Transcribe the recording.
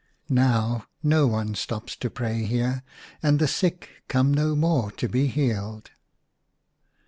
Now no one stops to pray here, and the sick come no more to be healed.